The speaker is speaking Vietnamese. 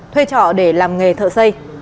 thuê trọ để làm công an